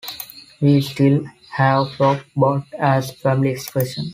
We still have 'flop bot' as a family expression.